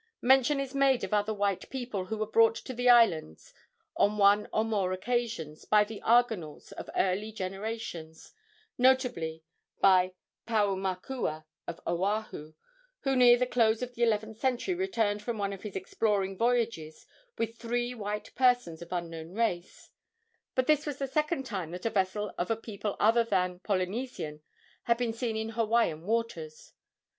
Mention is made of other white people who were brought to the islands on one or more occasions by the argonauts of earlier generations, notably by Paumakua, of Oahu, who near the close of the eleventh century returned from one of his exploring voyages with three white persons of an unknown race; but this was the second time that a vessel of a people other than Polynesian had been seen in Hawaiian waters.